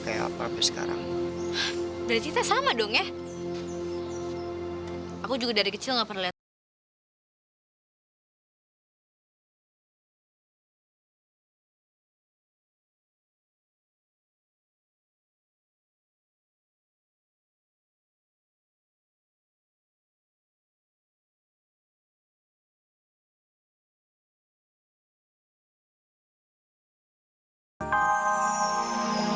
kau curious lah kalau mama dah tahu deficient ini kalau belle hitung